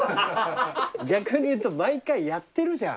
逆に言うと毎回やってるじゃん。